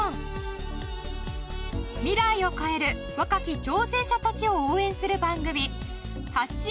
未来を変える若き挑戦者たちを応援する番組『発進！